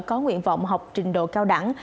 có nguyện vọng học trình độ cao đẳng